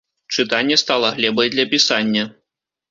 Чытанне стала глебай для пісання.